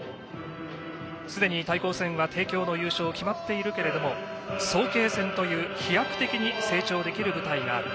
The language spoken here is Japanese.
すでに対抗戦は帝京の優勝決まっているけれども早慶戦という飛躍的に成長できる舞台がある。